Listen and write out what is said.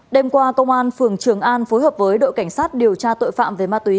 đêm qua công an phường trường an phối hợp với đội cảnh sát điều tra tội phạm về ma túy